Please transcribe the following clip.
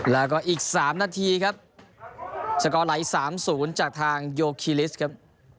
แล้วก็อีก๓นาทีครับสกอร์ไหล๓๐จากทางโยคีลิสครับ